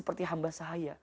seperti hamba sahaya